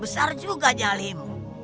besar juga jahalimu